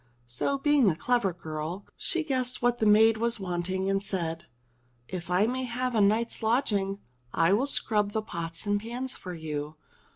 So, being a clever girl, she guessed what the maid was wanting and said : *'If I may have a night's lodging, I will scrub the pots and pans for you."